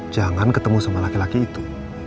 jangan ketemu sama laki laki itu